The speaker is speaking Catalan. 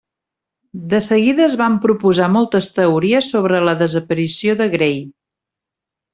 De seguida es van proposar moltes teories sobre la desaparició de Gray.